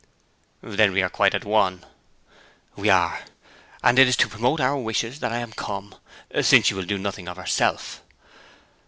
'Then we are quite at one.' 'We are. And it is to promote our wishes that I am come; since she will do nothing of herself.'